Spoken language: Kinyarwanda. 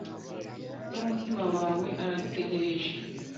bw'umutima wawe, aragutegereje